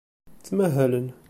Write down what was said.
Ttmahalen.